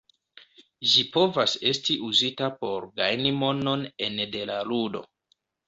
Ĝi povas esti uzita por gajni monon ene de la ludo.